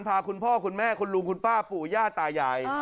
พาคุณพ่อคุณแม่คุณลุงคุณป้าปู่ย่าตายาย